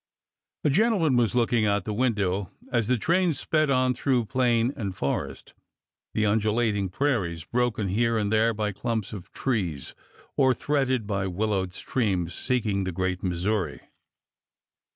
A gentleman was looking from the window as the train sped on through plain and forest, the undulating prairies broken here and there by clumps of. trees or threaded by willowed streams seeking the great Missouri.